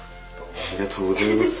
ありがとうございます。